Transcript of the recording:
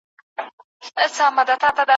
څېړنه د کومو معیارونو اړتیا لري؟